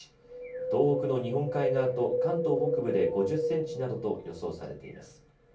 東北の日本海側と関東北部で５０センチなどと予想されています。